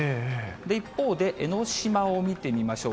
一方で、江の島を見てみましょう。